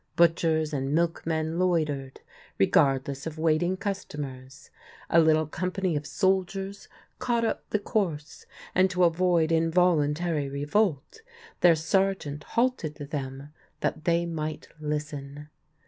Butchers and milkmen loitered, regardless of waiting customers ; a little company of soldiers caught up the chorus, and to avoid involuntary revolt, their sergeant halted them, that they might listen.